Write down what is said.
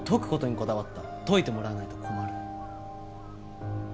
解いてもらわないと困る。